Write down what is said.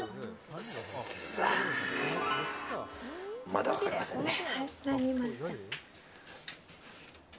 まだ分かりませんね。